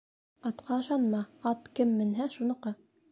Атҡа ышанма: ат, кем менһә, шуныҡы.